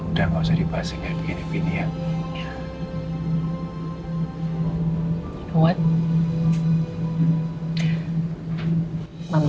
udah gak usah dibahasin kayak begini begini ya